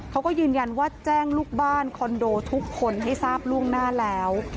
เขาก็ยืนยันว่าแจ้งลูกบ้านคอนโดทุกคนให้ทราบล่วงหน้าแล้ว